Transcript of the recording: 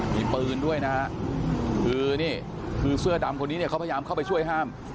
มีปืนด้วยนะคือเสื้อดำคนนี้เขาพยายามเข้าไปช่วยห้าม